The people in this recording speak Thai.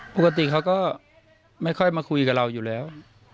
ปกติเขาก็ไม่ค่อยมาคุยกับเราอยู่แล้ว